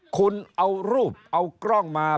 คุณเอารูปเอากล้องมา